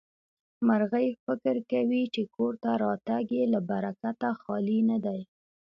مرغۍ فکر کوي چې کور ته راتګ يې له برکته خالي نه دی.